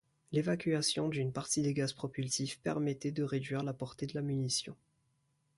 L'évacuation d'une partie des gaz propulsifs permettait de réduire la portée de la munition.